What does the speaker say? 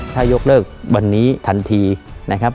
ถ้ายกเลิกวันนี้ทันทีนะครับ